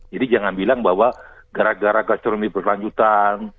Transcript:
jadi jangan bilang bahwa gara gara gastronomi berkelanjutan